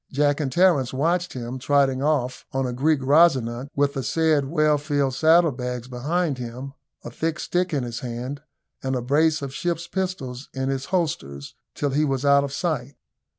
Jack and Terence watched him trotting off on a Greek Rosinante with the said well filled saddle bags behind him, a thick stick in his hand, and a brace of ship's pistols in his holsters, till he was out of sight.